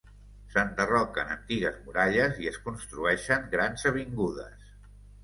S'enderroquen antigues muralles i es construeixen grans avingudes.